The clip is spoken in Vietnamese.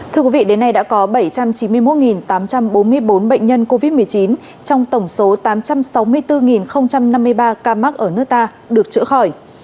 thưa quý vị đến nay đã có bảy trăm chín mươi một tám trăm bốn mươi bốn bệnh nhân covid một mươi chín trong tổng số tám trăm sáu mươi bốn năm mươi ba ca mắc ở nước ta được chữa khỏi